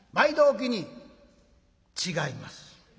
「違います」。